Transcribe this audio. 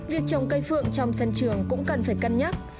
việc trồng cây phượng trong sân trường cũng cần phải cân nhắc